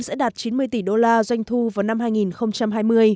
sẽ đạt chín mươi tỷ đô la doanh thu vào năm hai nghìn hai mươi